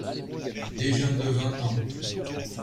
Des jeunes de vingt ans.